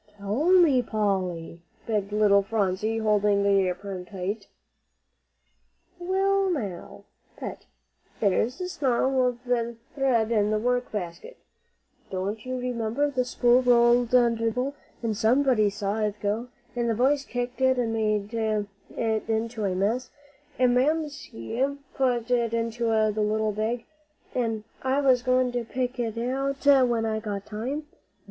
"Tell me, Polly," begged little Phronsie, holding the apron tight. "Well, now, Pet, there's a snarl of thread in the work basket. Don't you remember, the spool rolled under the table, and nobody saw it go, and the boys kicked it up and made it into a mess, an' Mamsie put it into the little bag, an' I was to pick it out when I got time?